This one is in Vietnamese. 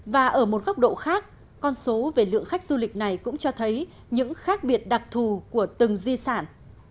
và ở một góc độ khác con số về lượng khách du lịch này cũng cho thấy những khác biệt đặc thù của từng di sản